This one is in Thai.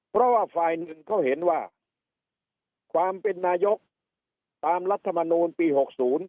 เพราะว่าฝ่ายหนึ่งเขาเห็นว่าความเป็นนายกตามรัฐมนูลปีหกศูนย์